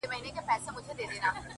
ستا مين درياب سره ياري کوي ـ